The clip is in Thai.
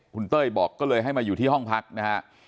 คุณเต้ยบอกก็เลยให้มาอยู่ที่ห้องพักนะฮะ